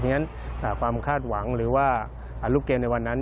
เพราะฉะนั้นความคาดหวังหรือว่าลูกเกมในวันนั้น